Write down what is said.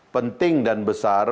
penting dan besar